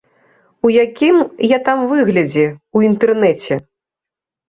У якім я там выглядзе, у інтэрнэце!